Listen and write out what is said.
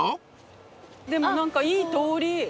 でも何かいい通り。